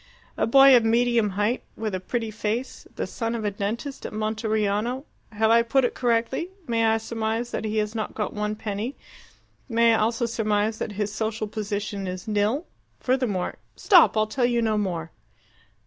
A boy of medium height with a pretty face, the son of a dentist at Monteriano. Have I put it correctly? May I surmise that he has not got one penny? May I also surmise that his social position is nil? Furthermore " "Stop! I'll tell you no more."